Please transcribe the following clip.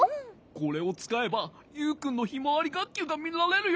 これをつかえばユウくんのひまわりがっきゅうがみられるよ。